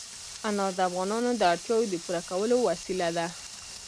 انار د افغانانو د اړتیاوو د پوره کولو وسیله ده.